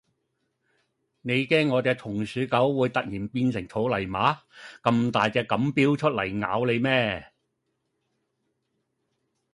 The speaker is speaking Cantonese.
你驚我隻松鼠狗會突然變成草泥馬咁大隻咁標出嚟咬你咩